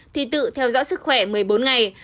thì tự theo dõi sức khỏe một mươi bốn ngày